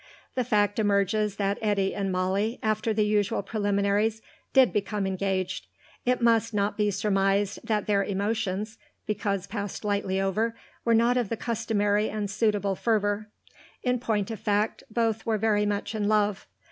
The fact emerges that Eddy and Molly, after the usual preliminaries, did become engaged. It must not be surmised that their emotions, because passed lightly over, were not of the customary and suitable fervour; in point of fact, both were very much in love.